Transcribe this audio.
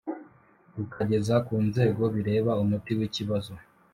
rukageza ku nzego bireba umuti w ikibazo